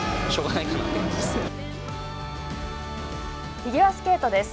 フィギュアスケートです。